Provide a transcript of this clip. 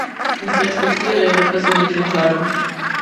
Ich respektiere Ihre persönliche Entscheidung.